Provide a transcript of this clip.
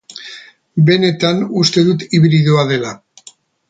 Benetan, uste dut hibridoa dela.